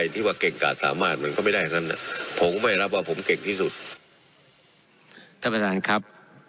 ท่านประธานครับ